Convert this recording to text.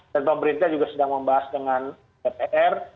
dan pemerintah juga sedang membahas dengan ppr